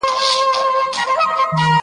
نجلۍ له شرمه پټه ساتل کيږي,